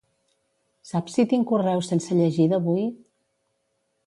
Saps si tinc correus sense llegir d'avui?